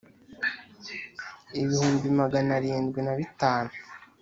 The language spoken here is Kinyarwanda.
ibihumbi magana arindwi nabitanu